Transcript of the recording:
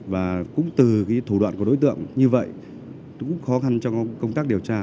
và cũng từ thủ đoạn của đối tượng như vậy cũng khó khăn cho công tác điều tra